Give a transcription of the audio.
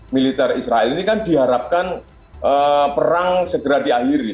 militer israel ini kan diharapkan perang segera diakhiri